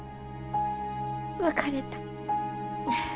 別れた。